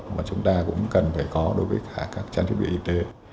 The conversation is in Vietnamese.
mà chúng ta cũng cần phải có đối với các trang thiết bị y tế